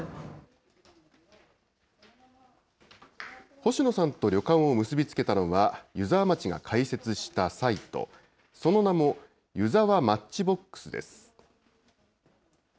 星野さんと旅館を結び付けたのは、湯沢町が開設したサイト、その名もゆざわマッチボックスです。